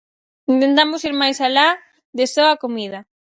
Intentamos ir máis alá de só a comida.